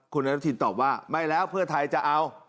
คุณอนุทินตอบว่าไม่แล้วเพื่อไทยจะเอา